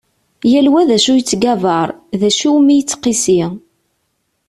Yal wa d acu yettgabar, d acu iwumi yettqissi.